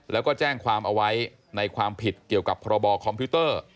แล้วก็แจ้งความเอาไว้ในความผิดเกี่ยวกับพรบคอมพิวเตอร์